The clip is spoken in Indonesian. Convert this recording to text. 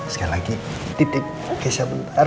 sekali lagi titik kesya bentar